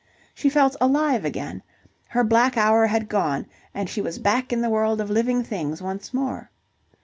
She felt alive again. Her black hour had gone, and she was back in the world of living things once more.